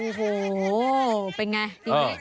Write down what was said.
โอ้โหเป็นไง